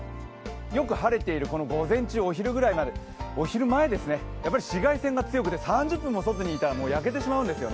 よく晴れている午前中お昼前まで、やっぱり紫外線が強くて３０分も外にいたら焼けてしまうんですよ。